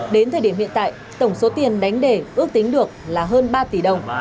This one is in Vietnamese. đến thời điểm hiện tại tổng số tiền đánh để ước tính được là hơn ba tỷ đồng